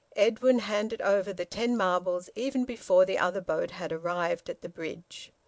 Edwin handed over the ten marbles even before the other boat had arrived at the bridge.